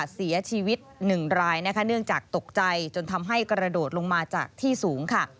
เสียชีวิต๑รายเนื่องจากตกใจจนทำให้กระโดดลงมาจากที่สูง